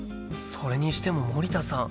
それにしても森田さん